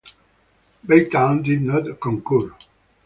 Baytown did not concur.